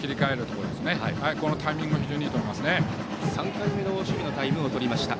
このタイミングも非常にいいと思います。